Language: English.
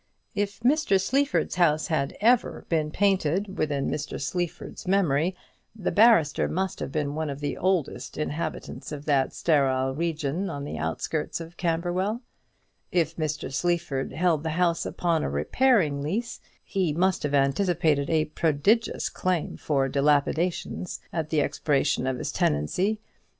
If Mr. Sleaford's house had ever been painted within Mr Sleaford's memory, the barrister must have been one of the oldest inhabitants of that sterile region on the outskirts of Camberwell; if Mr. Sleaford held the house upon a repairing lease, he must have anticipated a prodigious claim for dilapidations at the expiration of his tenancy.